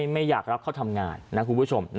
ไม่อยากรับเขาทำงานนะคุณผู้ชม